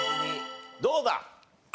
どうだ？